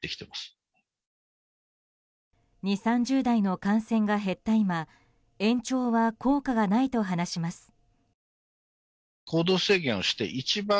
２０３０代の感染が減った今延長は効果がないと話します。